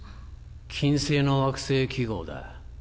金星の惑星記号だ。